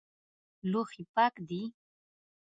لوښي پاک دي؟